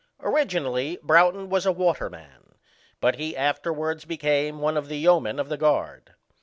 Originally Broughton was a waterman, but he afterwards became one of the yeomen of the guard.